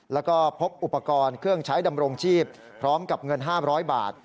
แล้วก็พบอุปกรณ์เครื่องใช้ดำรงชีพพร้อมกับเงิน๕๐๐บาท